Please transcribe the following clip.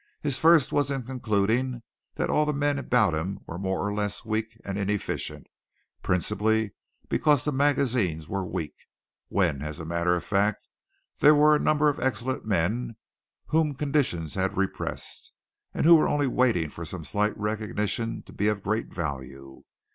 His first was in concluding that all the men about him were more or less weak and inefficient, principally because the magazines were weak, when, as a matter of fact, there were a number of excellent men whom conditions had repressed, and who were only waiting for some slight recognition to be of great value.